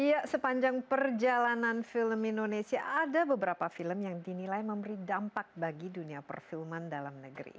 iya sepanjang perjalanan film indonesia ada beberapa film yang dinilai memberi dampak bagi dunia perfilman dalam negeri